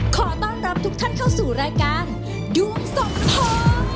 ขอต้อนรับทุกท่านเข้าสู่รายการดวงสองท้อง